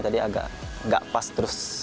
tadi agak gak pas terus